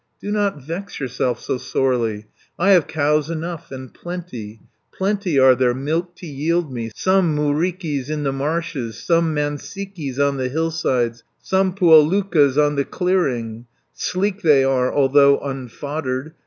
260 "Do not vex yourself so sorely, I have cows enough and plenty, Plenty are there, milk to yield me, Some, Muurikkis, in the marshes, Some, Mansikkis, on the hill sides, Some, Puolukkas, on the clearing, Sleek they are, although unfoddered.